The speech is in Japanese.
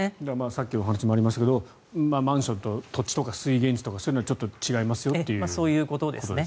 さっきお話にもありましたがマンションとか土地とか水源地とかそういうのはちょっと違いますよということですよね。